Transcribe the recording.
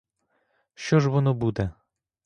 Що ж воно буде?